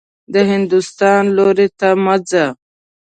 د هندوستان لور ته مه ځه.